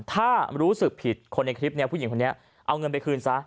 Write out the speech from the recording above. ถ้ารู้สึกผิดคนในคลิปนี้ผู้หญิงคนนี้เอาเงินไปคืนซะ